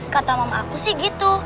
kata mama aku sih gitu